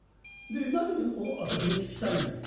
で何を私に聞きたいんだい？」。